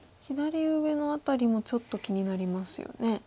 左上の辺りもちょっと気になりますよね。